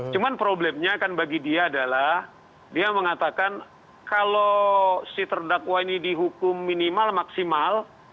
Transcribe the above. cuma problemnya kan bagi dia adalah dia mengatakan kalau si terdakwa ini dihukum minimal maksimal